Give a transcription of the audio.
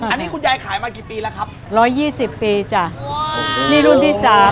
อันนี้คุณยายขายมากี่ปีแล้วครับร้อยยี่สิบปีจ้ะนี่รุ่นที่สาม